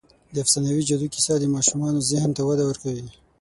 د افسانوي جادو کیسه د ماشومانو ذهن ته وده ورکوي.